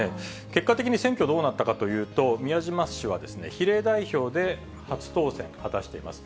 結果的に選挙、どうなったかというと、宮島氏は、比例代表で初当選を果たしています。